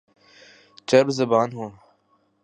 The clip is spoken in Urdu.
چرب زبان ہوں